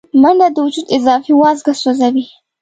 منډه د وجود اضافي وازګه سوځوي